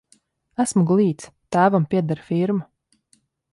Esmu glīts, tēvam pieder firma.